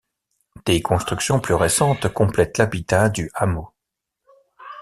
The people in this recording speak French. Des constructions plus récentes complètent l'habitat du hameau.